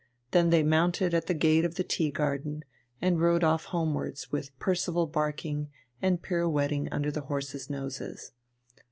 Then they mounted at the gate of the tea garden and rode off homewards with Percival barking and pirouetting under the horses' noses.